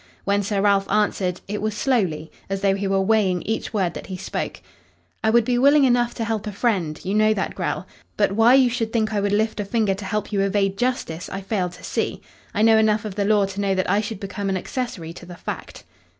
When Sir Ralph answered, it was slowly, as though he were weighing each word that he spoke. "I would be willing enough to help a friend you know that, Grell. But why you should think I would lift a finger to help you evade justice I fail to see. I know enough of the law to know that I should become an accessory to the fact."